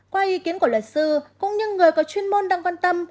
qua ý kiến của luật sư cũng như người có chuyên môn đang quan tâm